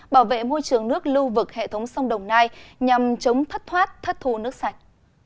bảo vệ môi trường nước lưu vực hệ thống sông đồng nai nhằm chống thất thoát thất thù nước sạch